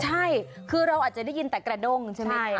ใช่คือเราอาจจะได้ยินแต่กระด้งใช่ไหมคะ